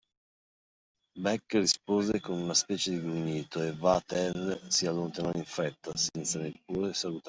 Beck rispose con una specie di grugnito e Vatel si allontanò in fretta, senza neppure salutarlo.